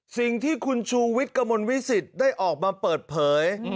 สิ่งที่คุณชูวิทย์กระมวลวิสิตได้ออกมาเปิดเผย